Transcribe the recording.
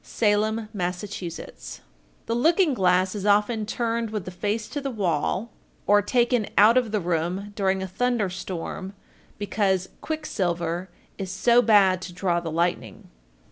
Salem, Mass. 1408. The looking glass is often turned with the face to the wall, or taken out of the room during a thunder storm, because "quick silver is so bad to draw the lightning."